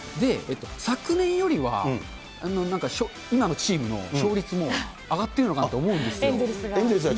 昨年よりはなんか、今のチームの勝率も上がってるのかなと思うんエンゼルスが。